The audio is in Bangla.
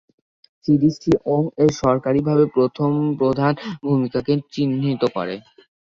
সিরিজটি ওং-এর সরকারীভাবে প্রথম প্রধান ভূমিকাকে চিহ্নিত করে।